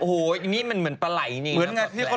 โอ้โหอันนี้มันเหมือนปลายนี่นะ